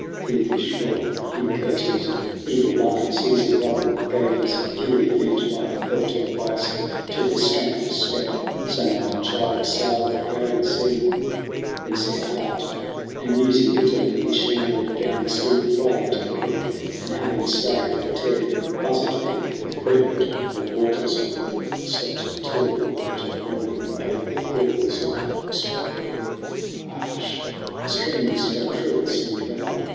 In peevish wrath Hugh cursed his evil luck, And seizing rubble, gave his fury vent By pelting bison till his strength was spent : So might a child assail the crowding sea ! Then, sick at heart and musing bitterly, He shambled down the steep way to the creek, And having stayed the tearing buzzard beak THE CRAWL 67 With breadroot and the waters of the rill, Slept till the white of morning o'er the hill Was like a whisper groping in a hush. The stream's low trill seemed loud.